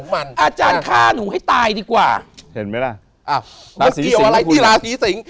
มันเกี่ยวอะไรที่ราศรีสิงษ์